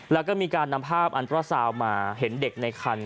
แล้วก็มีการนำภาพอันตราซาวน์มาเห็นเด็กในคัน